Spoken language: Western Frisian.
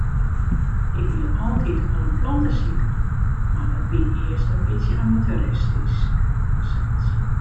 Ik wie altyd al in plantesiker, mar dat wie earst in bytsje amateuristysk fansels.